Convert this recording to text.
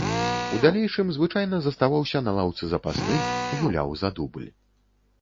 У далейшым звычайна заставаўся на лаўцы запасных, гуляў за дубль.